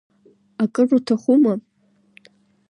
Акыр уҭахума?